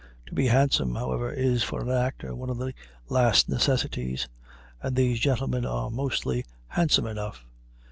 To be handsome, however, is for an actor one of the last necessities; and these gentlemen are mostly handsome enough.